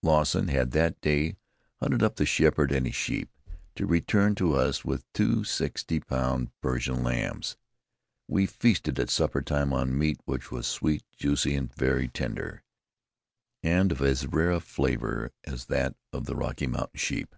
Lawson had that day hunted up the shepherd and his sheep, to return to us with two sixty pound Persian lambs. We feasted at suppertime on meat which was sweet, juicy, very tender and of as rare a flavor as that of the Rocky Mountain sheep.